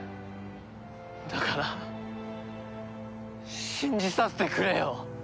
だから信じさせてくれよ。